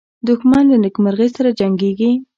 دښمن له نېکمرغۍ سره جنګیږي